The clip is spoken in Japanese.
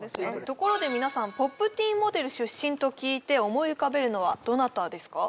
ところで皆さんＰｏｐｔｅｅｎモデル出身と聞いて思い浮かべるのはどなたですか？